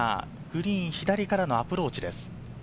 グリーン左からのアプローチです。